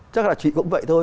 chắc là chị cũng vậy thôi